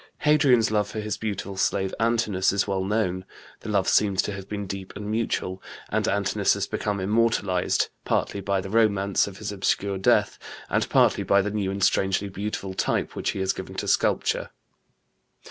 Hadrian's love for his beautiful slave Antinoüs is well known; the love seems to have been deep and mutual, and Antinoüs has become immortalized, partly by the romance of his obscure death and partly by the new and strangely beautiful type which he has given to sculpture.